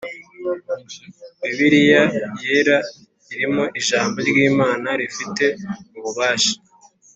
Bibiriya Yera irimo ijambo ry Imana rifite ububasha